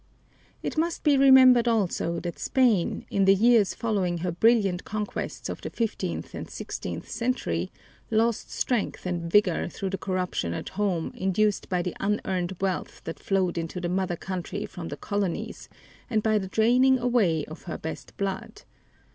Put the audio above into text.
It must be remembered also that Spain, in the years following her brilliant conquests of the fifteenth and sixteenth centuries, lost strength and vigor through the corruption at home induced by the unearned wealth that flowed into the mother country from the colonies, and by the draining away of her best blood.